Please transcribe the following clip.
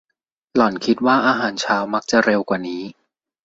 หล่อนคิดว่าอาหารเช้ามักจะเร็วกว่านี้